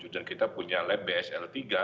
dan kita punya lab bsl tiga